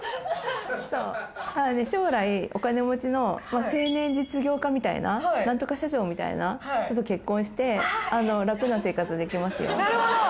そうなので将来お金持ちの青年実業家みたいな○○社長みたいな人と結婚して楽な生活できますよなるほど！